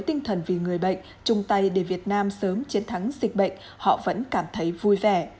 tinh thần vì người bệnh chung tay để việt nam sớm chiến thắng dịch bệnh họ vẫn cảm thấy vui vẻ